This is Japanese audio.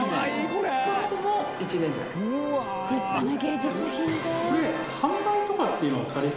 立派な芸術品だ。